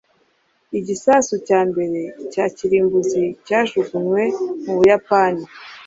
Igisasu cya mbere cya kirimbuzi cyajugunywe mu Buyapani.